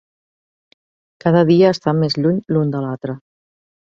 Cada dia estan més lluny l'un de l'altre.